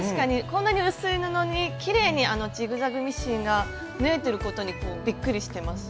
こんなに薄い布にきれいにジグザグミシンが縫えてることにびっくりしてます。